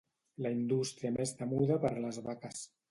La indústria més temuda per les vaques.